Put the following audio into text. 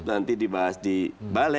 nanti dibahas di balek